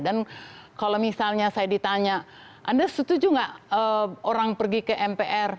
dan kalau misalnya saya ditanya anda setuju enggak orang pergi ke mpr